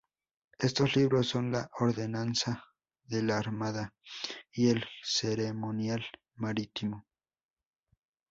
Estos libros son la "Ordenanza de la Armada" y el "Ceremonial Marítimo".